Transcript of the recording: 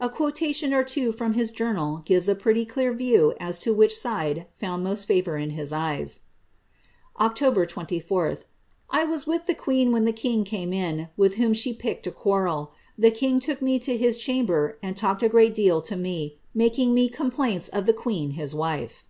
A quotation or two from his journal gives a pretty clear view as to which side found most favour in his eyes. ^ Oct 24th : I was with tlie queen when the king came in, with whom she picked a quarrel. The king took me to his chamber and talked a great deal to me, making me com plaints of the queen, his wife."